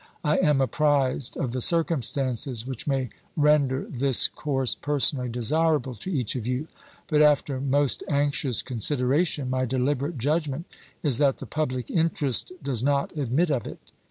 I am apprised of the chcumstances which may render this course personally desirable to each of you; but after most anxious consideration my dehberate judgment is that the public interest does not admit of it.